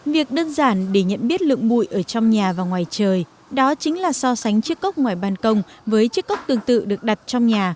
việc đơn giản để nhận biết lượng bụi ở trong nhà và ngoài trời đó chính là so sánh chiếc cốc ngoài bàn công với chiếc cốc tương tự được đặt trong nhà